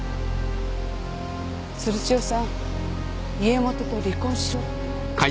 鶴千代さん家元と離婚しろって。